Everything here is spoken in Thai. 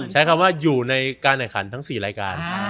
ใช้คำว่าอยู่ในการแข่งขันทั้ง๔รายการ